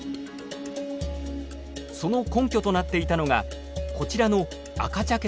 その根拠となっていたのがこちらの赤茶けた地層。